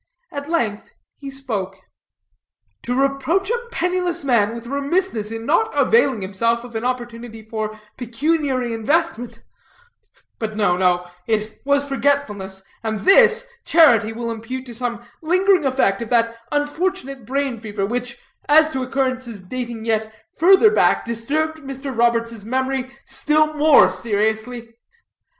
At length he spoke: "To reproach a penniless man with remissness in not availing himself of an opportunity for pecuniary investment but, no, no; it was forgetfulness; and this, charity will impute to some lingering effect of that unfortunate brain fever, which, as to occurrences dating yet further back, disturbed Mr. Roberts's memory still more seriously."